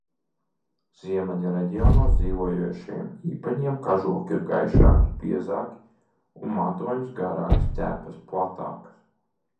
Ziemeļu reģionos dzīvojošiem īpatņiem kažoki ir gaišāki, biezāki un matojums garāks, ķepas platākas.